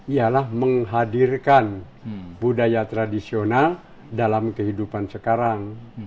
ialah menghadirkan budaya tradisional dalam kehidupan sekarang